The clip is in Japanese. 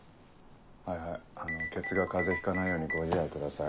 はいはいケツが風邪ひかないようにご自愛ください。